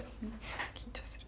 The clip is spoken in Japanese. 緊張する。